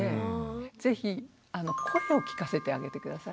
是非声を聞かせてあげて下さい。